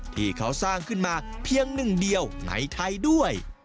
ที่เขาสร้างขึ้นมาเพียงหนึ่งเดียวในไทยด้วย